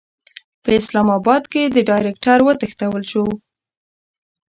په اسلاماباد کې د ډایرکټر وتښتول شو.